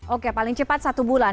oke paling cepat satu bulan